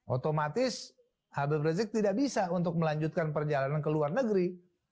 otomatis habib rizik tidak bisa untuk melanjutkan perjalanan ke luar negeri